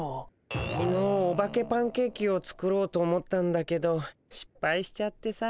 きのうオバケパンケーキを作ろうと思ったんだけどしっぱいしちゃってさ。